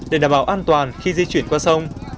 để đảm bảo an toàn khi di chuyển qua sông